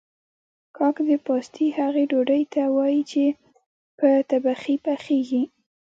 کاک د پاستي هغې ډوډۍ ته وايي چې په تبخي پخیږي